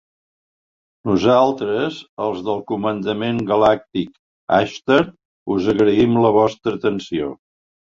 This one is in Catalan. Nosaltres, els del Comandament Galàctic Ashtar, us agraïm la vostra atenció.